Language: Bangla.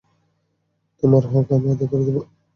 তোমার হক আমি আদায় করে দেব।